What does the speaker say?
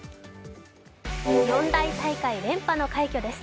四大大会連覇の快挙です。